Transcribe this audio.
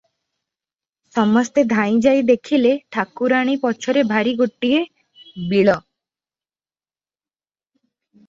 ସମସ୍ତେ ଧାଇଁଯାଇ ଦେଖିଲେ, ଠାକୁରାଣୀ ପଛରେ ଭାରି ଗୋଟିଏ ବିଳ ।